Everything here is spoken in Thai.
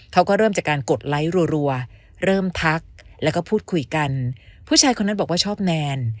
เขาก็เริ่มจากการกดไลค์รัวเริ่มทักแล้วก็พูดคุยกันผู้ชายคนนั้นบอกว่าชอบแนน